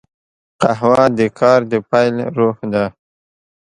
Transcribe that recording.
قهوه د کار د پیل روح ده